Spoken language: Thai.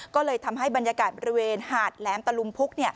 ก็เลยทำให้บรรยากาศบริเวณหาดแหลมตะลุมพุก